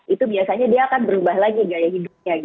itu biasanya dia akan berubah lagi gaya hidupnya